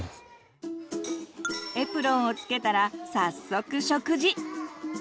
エプロンをつけたら早速食事！